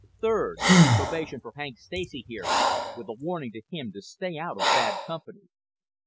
Third, probation for Hank Stacy here, with a warning to him to stay out of bad company.